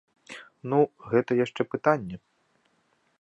Ну, гэта яшчэ пытанне.